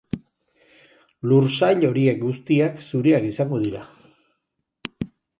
Lur sail horiek guztiak zureak izango dira.